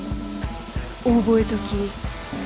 覚えとき。